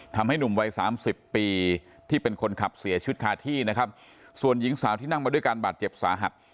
ทำให้หนุ่มวัยสามสิบปีที่เป็นคนขับเสียชีวิตคาที่นะครับส่วนหญิงสาวที่นั่งมาด้วยการบาดเจ็บสาหัส